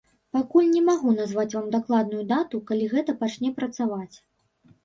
Пакуль не магу назваць вам дакладную дату, калі гэта пачне працаваць.